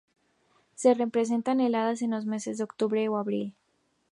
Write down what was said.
Se presentan heladas en los meses de octubre a abril.